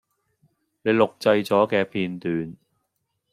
您錄製左既片段